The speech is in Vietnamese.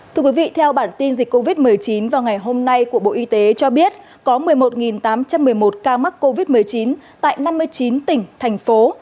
thưa quý vị theo bản tin dịch covid một mươi chín vào ngày hôm nay của bộ y tế cho biết có một mươi một tám trăm một mươi một ca mắc covid một mươi chín tại năm mươi chín tỉnh thành phố